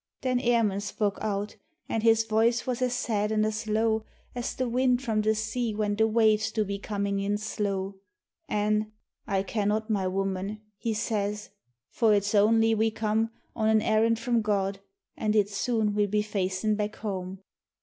Then Emun spoke out, an' his voice was as sad an' as low As the wind from the sea when the waves do be cornin' in slow, An' " I cannot, my woman," he says, " for it's only we come On an errand from God, an' it's soon we'll be facin' back home.